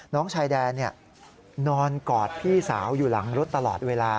น้องชายแดนนอนกอดพี่สาวอยู่หลังรถตลอดเวลา